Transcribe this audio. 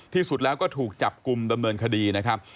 ที่สุดแล้วก็ถูกจับกลุ่มดำเนินคดีนะครับ